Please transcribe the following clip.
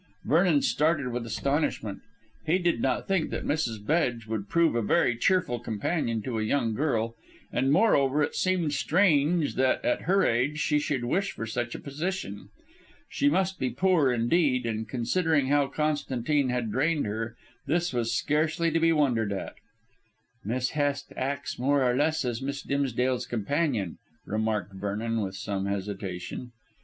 Vernon started with astonishment. He did not think that Mrs. Bedge would prove a very cheerful companion to a young girl, and moreover it seemed strange that, at her age, she should wish for such a position. She must be poor indeed, and considering how Constantine had drained her, this was scarcely to be wondered at. "Miss Hest acts more or less as Miss Dimsdale's companion," remarked Vernon with some hesitation.